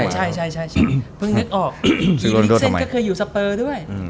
ใช่เพิ่งนึกออกอีกทีพลิกเส้นก็เคยอยู่สเปอร์ด้วย